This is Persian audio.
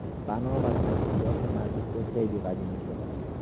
بنا و تجهیزات مدرسه خیلی قدیمی شده است.